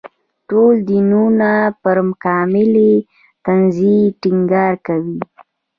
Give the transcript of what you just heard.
ټول دینونه پر کاملې تنزیې ټینګار کوي.